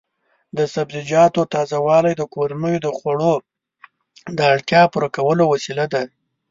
د سبزیجاتو تازه والي د کورنیو د خوړو د اړتیا پوره کولو وسیله ده.